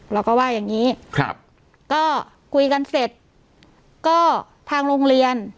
เราก็ว่าอย่างงี้ครับก็คุยกันเสร็จก็ทางโรงเรียน